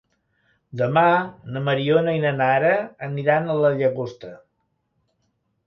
Demà na Mariona i na Nara aniran a la Llagosta.